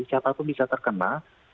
siapapun bisa terkena